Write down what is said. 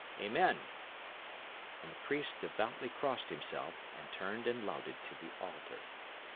Amen!" And the priest devoutly crossed himself, and turned and louted to the altar.